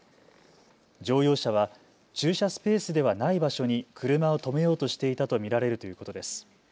乗用車は駐車スペースではない場所に車を止めようとしていたと見られるということです。